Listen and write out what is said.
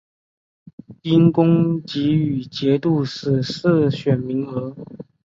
因功给予节度使世选名额。